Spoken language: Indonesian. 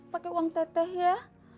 pakai uang teteh ya